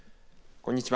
こんにちは。